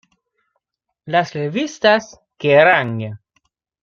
Las revistas "Kerrang!